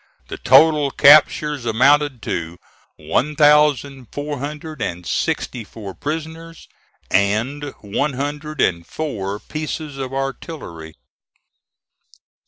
The total captures amounted to one thousand four hundred and sixty four prisoners, and one hundred and four pieces of artillery.